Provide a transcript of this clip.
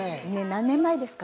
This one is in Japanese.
何年前ですか？